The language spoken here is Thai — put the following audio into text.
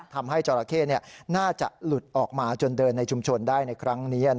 จราเข้น่าจะหลุดออกมาจนเดินในชุมชนได้ในครั้งนี้